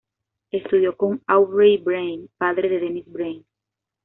Estudió con Aubrey Brain, padre de Dennis Brain.